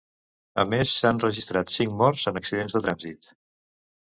A més, s'han registrat cinc morts en accidents de trànsit.